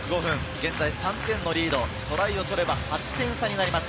現在３点のリード、トライを取れば８点差になります。